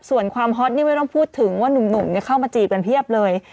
ส่วนความฮอตนี่ไม่ต้องพูดถึงว่านุ่มเข้ามาจีบกันเพียบเลย